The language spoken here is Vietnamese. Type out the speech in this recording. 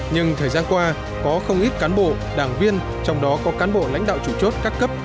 nhưng thời gian qua có không ít cán bộ đảng viên trong đó có cán bộ lãnh đạo chủ chốt các cấp